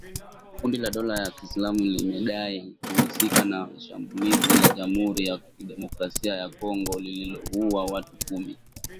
Kundi la dola ya kiislamu limedai kuhusika na shambulizi la Jamhuri ya Kidemokrasia ya Kongo lililoua watu kumi